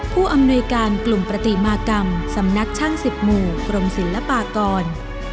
ผู้อำนวยการกลุ่มปฏิมากรรมสำนักช่าง๑๐หมู่กรมศิลปากร